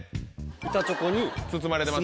板チョコに包まれてる。